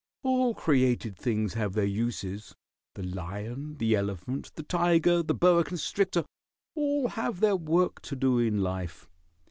"All created things have their uses. The lion, the elephant, the tiger, the boa constrictor, all have their work to do in life.